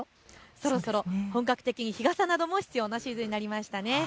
そろそろ本格的に日傘が必要なシリーズになりましたね。